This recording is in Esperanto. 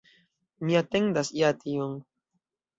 Mi atendas ja tion.